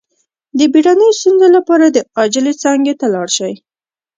د بیړنیو ستونزو لپاره د عاجل څانګې ته لاړ شئ